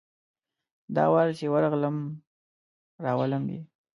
دا وار چي ورغلم ، راولم یې .